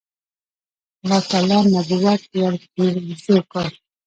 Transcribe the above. الله تعالی نبوت ورپېرزو کړ.